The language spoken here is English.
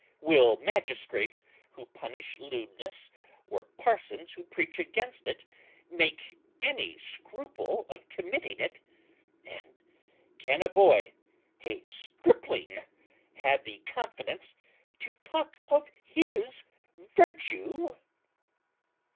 Will magistrates who punish lewdness, or parsons who preach against it, make any scruple of committing it? And can a boy, a stripling, have the confidence to talk of his virtue?"